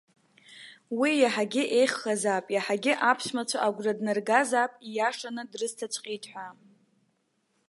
Уи иаҳагьы еиӷьхазаап, иаҳагьы аԥшәмацәа агәра днаргазаап ииашаны дрысҭаҵәҟьеит ҳәа.